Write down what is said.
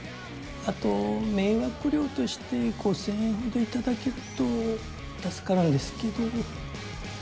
あと迷惑料として５０００円ほど頂けると助かるんですけど。